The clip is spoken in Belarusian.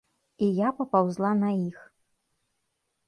І я папаўзла на іх.